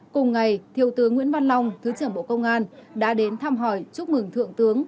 cùng ngày thiều tướng nguyễn văn long thứ trưởng bộ công an đã đến thăm hỏi chúc mừng thượng tướng